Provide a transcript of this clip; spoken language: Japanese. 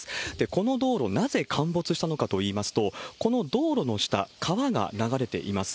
この道路、なぜ陥没したのかといいますと、この道路の下、川が流れています。